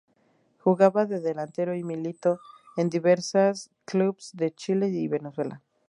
Jugaba de delantero y militó en diversos clubes de Chile y Venezuela.